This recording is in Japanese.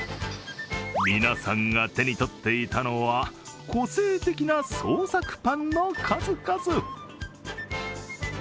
皆さんが手に取っていたのは、個性的な創作パンの数々。